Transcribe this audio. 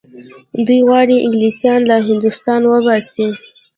دوی غواړي انګلیسیان له هندوستانه وباسي.